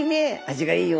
「味がいいよ」。